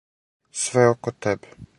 Све око тебе.